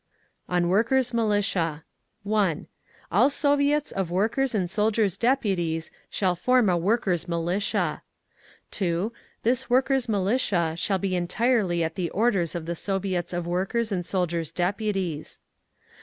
On Workers' Militia 1. All Soviets of Workers' and Soldiers' Deputies shall form a Workers' Militia. 2. This Workers' Militia shall be entirely at the orders of the Soviets of Workers' and Soldiers' Deputies.